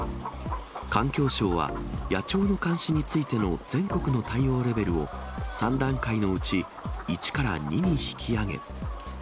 環境省は、野鳥の監視についての全国の対応レベルを、３段階のうち１から２に引き上げ。